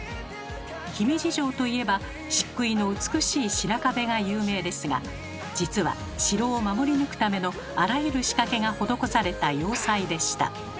姫路城といえば漆喰の美しい白壁が有名ですが実は城を守り抜くためのあらゆる仕掛けが施された要塞でした。